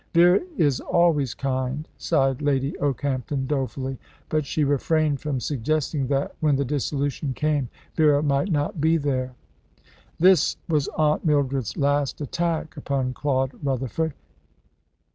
"Vera is always kind," sighed Lady Okehampton dolefully; but she refrained from suggesting that, when the dissolution came, Vera might not be there. This was Aunt Mildred's last attack upon Claude Rutherford.